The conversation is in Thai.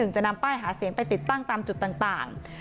จะนำป้ายหาเสียงไปติดตั้งตามจุดต่าง